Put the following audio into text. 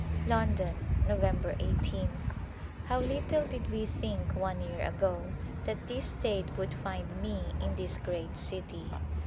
London^ Nov. i8th. How little did we think one year ago that this date would find me in this great city.